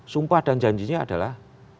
sumpah dan janjinya adalah